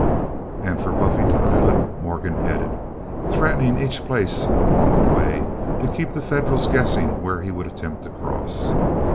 And for Buffington Island Morgan headed, threatening each place along the way, to keep the Federals guessing where he would attempt to cross.